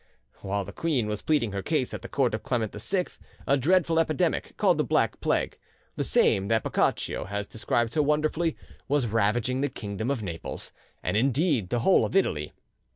While the queen was pleading her cause at the court of Clement VI, a dreadful epidemic, called the Black Plague—the same that Boccaccio has described so wonderfully—was ravaging the kingdom of Naples, and indeed the whole of Italy.